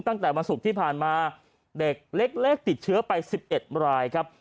ตั้งแต่วันศุกร์ที่ผ่านมาเด็กเล็กติดเชื้อไป๑๑รายครับ